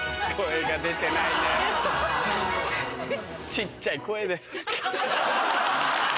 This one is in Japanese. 小っちゃい声で。